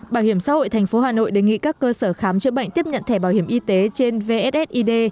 bảo hiểm xã hội tp hà nội đề nghị các cơ sở khám chữa bệnh tiếp nhận thẻ bảo hiểm y tế trên vssid